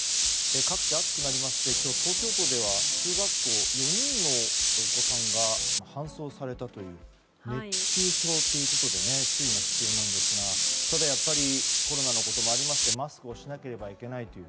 各地、暑くなりまして今日、東京都では中学校で４人のお子さんが搬送されたという熱中症ということで注意が必要なんですがただやっぱりコロナのこともありましてマスクをしなければならないという。